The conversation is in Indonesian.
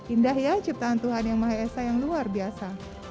indah ya ciptaan tuhan yang maha esa yang luar biasa